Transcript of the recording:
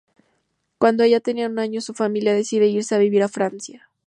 Cuando ella tenía un año, su familia decide irse a vivir a Francia.